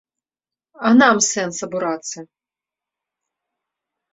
А нам сэнс абурацца?